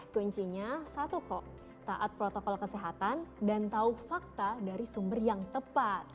kuncinya satu kok taat protokol kesehatan dan tahu fakta dari sumber yang tepat